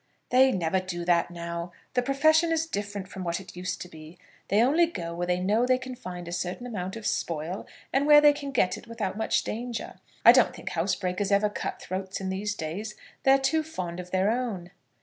"They never do that now. The profession is different from what it used to be. They only go where they know they can find a certain amount of spoil, and where they can get it without much danger. I don't think housebreakers ever cut throats in these days. They're too fond of their own."